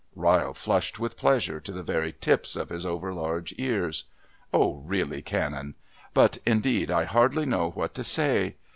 Ryle flushed with pleasure to the very tips of his over large ears. "Oh, really, Canon...But indeed I hardly know what to say.